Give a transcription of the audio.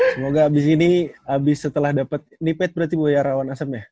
semoga abis ini abis setelah dapet nipet berarti bu ya rawon asem ya